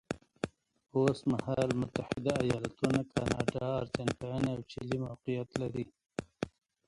اوس مهال متحده ایالتونه، کاناډا، ارجنټاین او چیلي موقعیت لري.